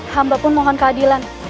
hamba pun mohon keadilan